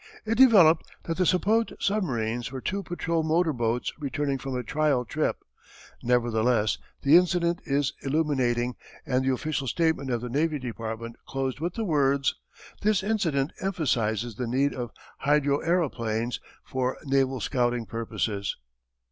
It developed that the supposed submarines were two patrol motor boats returning from a trial trip. Nevertheless the incident is illuminating, and the official statement of the Navy Department closed with the words: "This incident emphasizes the need of hydroaëroplanes for naval scouting purposes."